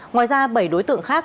ngoài ra bảy đối tượng khác